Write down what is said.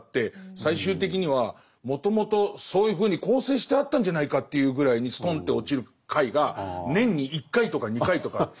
最終的にはもともとそういうふうに構成してあったんじゃないかというぐらいにストンと落ちる回が年に１回とか２回とかあって。